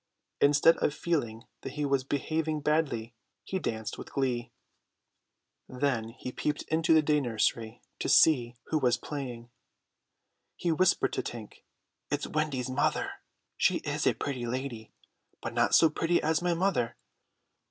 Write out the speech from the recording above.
Instead of feeling that he was behaving badly he danced with glee; then he peeped into the day nursery to see who was playing. He whispered to Tink, "It's Wendy's mother! She is a pretty lady, but not so pretty as my mother.